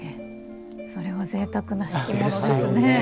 それはぜいたくな敷物ですね。